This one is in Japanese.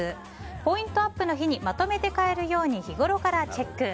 ポイントアップの日にまとめて買えるように日ごろからチェック。